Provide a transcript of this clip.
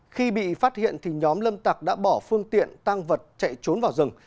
khi bị phát hiện thì nhóm lâm tạc đã bỏ phương tiện tăng vật chạy trốn vào rừng